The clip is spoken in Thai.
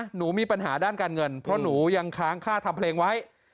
หนูมีปัญหาด้านการเงินเพราะหนูยังค้างค่าทำเพลงไว้